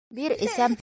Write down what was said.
— Бир, эсәм.